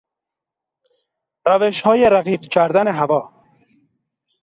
روشهای رقیق کردن هوا